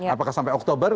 apakah sampai oktober